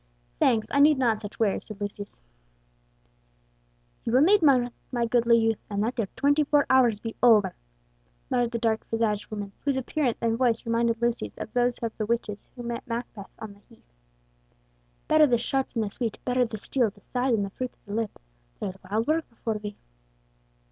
"Thanks; I need not such wares," said Lucius. "You will need one, my goodly youth, and that ere twenty four hours be over," muttered the dark visaged woman, whose appearance and voice reminded Lucius of those of the witches who met Macbeth on the blasted heath. "Better the sharp than the sweet; better the steel at the side than the fruit at the lip! There is wild work before thee."